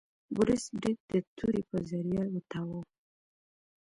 بوریس برید د تورې په ذریعه وتاوه.